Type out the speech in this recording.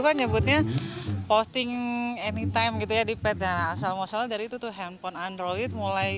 kan nyebutnya posting anytime gitu ya di pet nya asal muasal dari itu tuh handphone android mulai